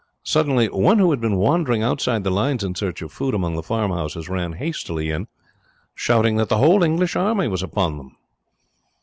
Suddenly one who had been wandering outside the lines in search of food among the farmhouses ran hastily in, shouting that the whole English army was upon them.